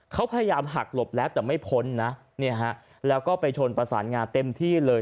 เขาพยายามหักหลบแล้วแต่ไม่พ้นนะเนี่ยฮะแล้วก็ไปชนประสานงาเต็มที่เลย